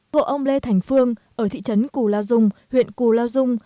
hộ ông lê thành phương ở thị trấn cù lao dung huyện cù lao dung